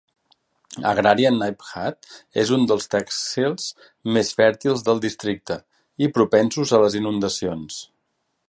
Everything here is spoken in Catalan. Agrarian Niphad és un dels tehsils més fèrtils del districte i propensos a les inundacions.